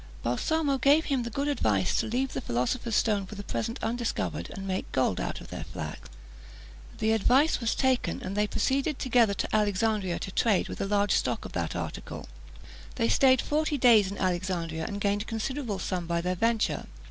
Balsamo gave him the good advice to leave the philosopher's stone for the present undiscovered, and make gold out of their flax. The advice was taken, and they proceeded together to Alexandria to trade, with a large stock of that article. They stayed forty days in Alexandria, and gained a considerable sum by their venture.